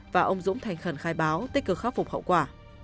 và ông dũng thành khẩn khai báo tích cực khắc phục hậu quả